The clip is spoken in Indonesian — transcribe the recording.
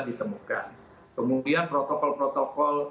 ditemukan kemudian protokol protokol